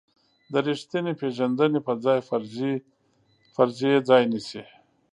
د ریښتینې پېژندنې په ځای فرضیې ځای نیسي.